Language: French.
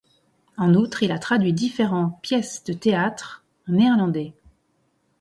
En outre, il a traduit différents pièces de théâtre en néerlandais.